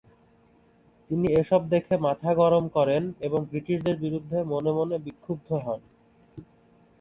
তিনি এসব দেখে মাথা গরম করেন এবং ব্রিটিশদের বিরুদ্ধে মনে মনে বিক্ষুব্ধ হন।